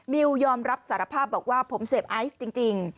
ยอมรับสารภาพบอกว่าผมเสพไอซ์จริง